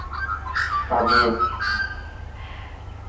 যারা ট্রেনে উঠেছিল তাদের মধ্যে মাত্র দশজন পালিয়ে যেতে সক্ষম হয়েছিল।